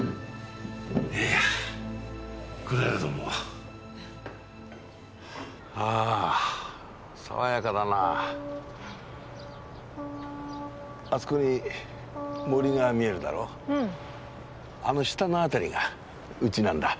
いやこの間はどうもあー爽やかだなぁあそこに森が見えるだろううんあの下の辺りがうちなんだ